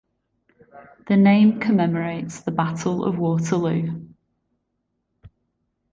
The name commemorates the Battle of Waterloo.